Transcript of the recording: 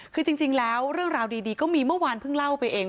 คือจริงแล้วเรื่องราวดีก็มีเมื่อวานเพิ่งเล่าไปเอง